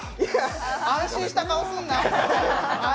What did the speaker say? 安心した顔すんな。